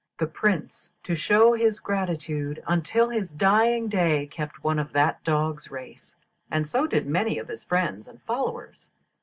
The Prince, to show his gratitude, until his dying day kept one of that dog's race, and so did many of his friends and followers.